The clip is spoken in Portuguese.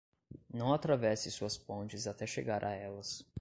Não atravesse suas pontes até chegar a elas.